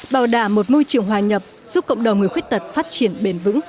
bảo đảm một môi trường hòa nhập giúp cộng đồng người khuyết tật phát triển bền vững